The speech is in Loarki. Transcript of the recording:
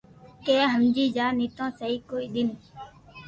ڪي ھمجي جا نيتوڻ سھي ڪوئي نن